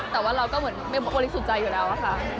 แต่ว่าเราก็เหมือนเป็นบุคลิกสุดใจอยู่แล้วอะค่ะ